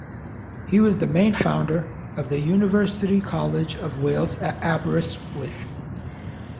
He was the main founder of the University College of Wales at Aberystwyth.